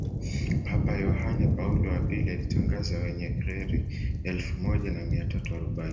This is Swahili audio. papa yohane paulo wa pili alitangaza Wenye kheri elfu moja na mia tatu arobaini